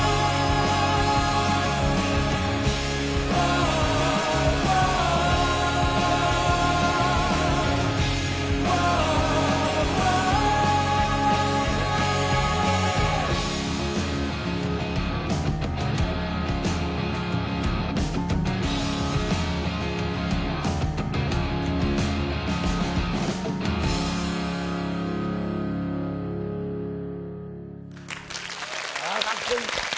かっこいい。